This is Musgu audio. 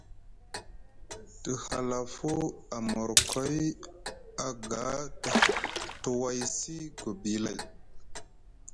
Te halafu a morkoy aga te waysi gobi lay.